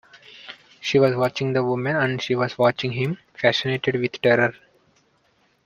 She was watching the woman, and she was watching him fascinated with terror.